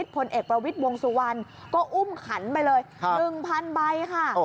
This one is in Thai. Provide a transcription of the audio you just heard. พลเอกประวิทย์วงสุวรรณก็อุ้มขันไปเลย๑๐๐ใบค่ะ